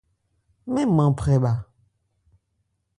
Mɛn nman phrɛ bha.